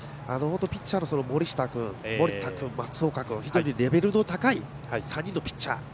ピッチャーの森下君、森田君松岡君と、非常にレベルの高い３人のピッチャー。